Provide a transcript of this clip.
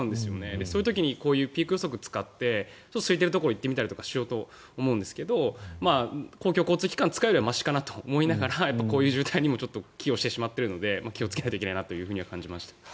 そういう時にこういうピーク予測を使ってすいているところに行ったりしようかと思うんですが公共交通機関を使うよりはましかなと思いながらもこういう交通渋滞にちょっと寄与してしまっているので気をつけなくてはいけないと感じました。